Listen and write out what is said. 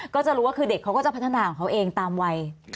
ก็จะรู้ว่าคือเด็กเขาก็จะพัฒนาของเขาเองตามวัย